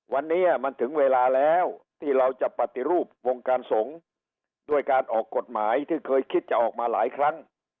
วันนี้มันถึงเวลาแล้วที่เราจะปฏิรูปวงการสงฆ์ด้วยการออกกฎหมายที่เคยคิดจะออกมาหลายครั้ง